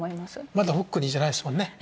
まだホックニーじゃないですもんね。